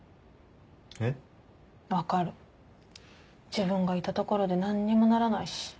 自分がいたところで何にもならないし。